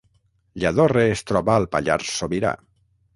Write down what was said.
Lladorre es troba al Pallars Sobirà